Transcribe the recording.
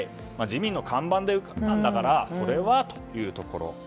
自民の看板だったんだからそれはというところ。